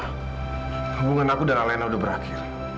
hubungan aku dan alena udah berakhir